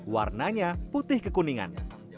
warnanya putih kekuningan